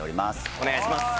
お願いします。